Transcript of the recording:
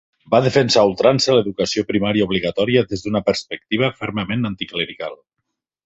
Va defensar a ultrança l'educació primària obligatòria des d'una perspectiva fermament anticlerical.